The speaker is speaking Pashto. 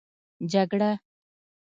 جگړه